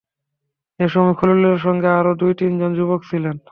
এ সময় খলিলুরের সঙ্গে আরও দু তিনজন যুবক ছিলেন।